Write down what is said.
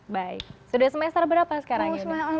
baik sudah semester berapa sekarang